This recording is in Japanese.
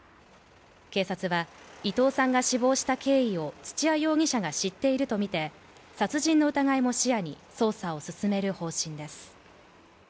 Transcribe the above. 警察は伊藤さんが死亡した経緯を土屋容疑者が知っているとみて、殺人の疑いも視野に捜査を進める方針です。